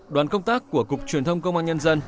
đoàn công tác của cục truyền thông công an nhân dân